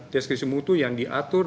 deskripsi mutu yang diatur